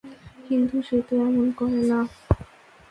কিন্তু সে তো এমন করে না।